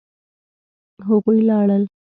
هغوی لاړل.